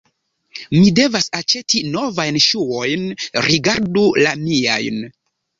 Mi devas aĉeti novajn ŝuojn; rigardu la miajn.